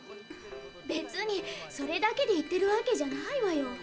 べつにそれだけで言ってるわけじゃないわよ。